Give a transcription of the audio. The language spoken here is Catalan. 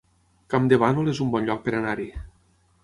Campdevànol es un bon lloc per anar-hi